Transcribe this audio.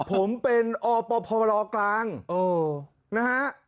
ผมเป็นอปพลกลางนะฮะ